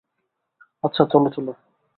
আচ্ছা, চলো, চলো!